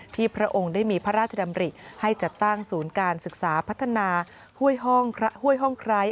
พระองค์ได้มีพระราชดำริให้จัดตั้งศูนย์การศึกษาพัฒนาห้วยห้องห้วยห้องไคร้